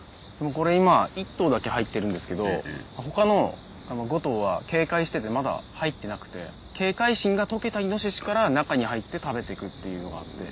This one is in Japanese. これ今１頭だけ入ってるんですけど他の５頭は警戒しててまだ入ってなくて警戒心が解けたイノシシから中に入って食べてくっていうのがあって。